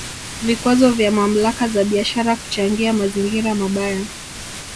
Vikwazo vya mamlaka za biashara kuchangia mazingira mabaya